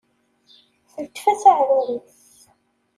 Teltef-as aɛrur-is.